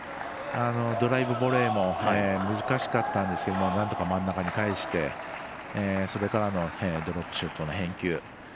ドライブボレーも難しかったんですけどなんとか真ん中に返してそれからドロップショットの返球。